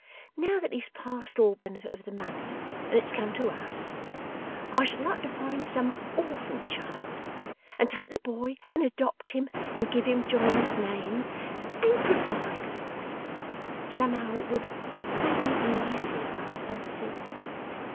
Now that he is past all benefit of the money, and it's come to us, I should like to find some orphan child, and take the boy and adopt him and give him John's name, and provide for him. Somehow, it would make me easier, I fancy.